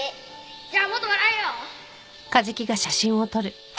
じゃあもっと笑えよ！